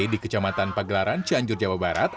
di kecamatan pagelaran cianjur jawa barat